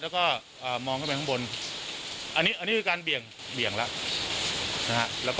แล้วก็มองเข้าไปข้างบนอันนี้คือการเบี่ยงแล้วนะฮะ